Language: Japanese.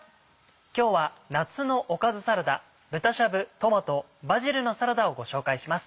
今日は夏のおかずサラダ「豚しゃぶトマトバジルのサラダ」をご紹介します。